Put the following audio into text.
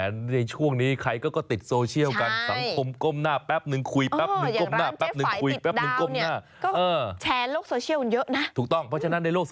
ในช่วงนี้ใครก็ติดโซเชียวกัน